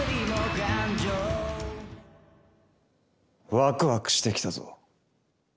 ワクワクしてきたぞ。